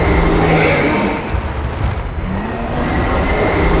aku harus menggunakan jurus dagak puspa